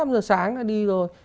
bốn năm giờ sáng đã đi rồi